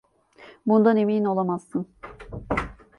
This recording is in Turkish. Bundan emin olamazsın.